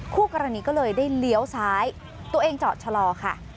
คู่กรณีก็เลยได้เลี้ยวซ้ายตัวเองจอดชะลอค่ะ